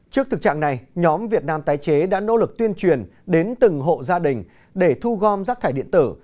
trước thực trạng này nhóm việt nam tái chế đã nỗ lực tuyên truyền đến từng hộ gia đình để thu gom rác thải điện tử